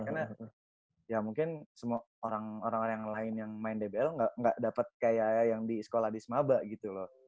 karena ya mungkin semua orang orang lain yang main dbl gak dapat kayak yang di sekolah di semaba gitu loh